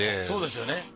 そうですよね。